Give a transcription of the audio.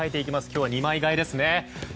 今日は２枚変えですね。